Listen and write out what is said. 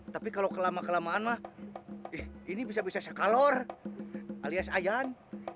tapi kalau kelama kelamaan mah ini bisa bisa saya kalor alias ayan